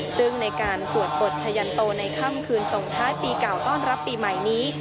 ซึ่งในการสวดบทชะยันโตในค่ำคืนส่งท้ายปีเก่าต้อนรับปีใหม่นี้